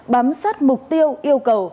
bám sát mục tiêu yêu cầu